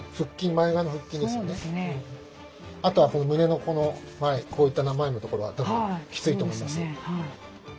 あとは胸の前こういった前のところはたぶんきついと思います。